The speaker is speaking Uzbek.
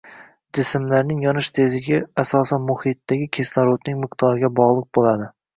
Jismlarning yonish tezligi asosan muxitdagi kislorodning miqdoriga bog’liq bo'ladi